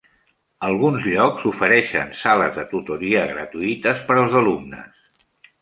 Alguns llocs ofereixen sales de tutoria gratuïtes per als alumnes.